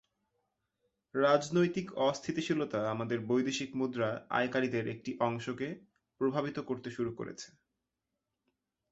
রাজনৈতিক অস্থিতিশীলতা আমাদের বৈদেশিক মুদ্রা আয়কারীদের একটি অংশকে প্রভাবিত করতে শুরু করেছে।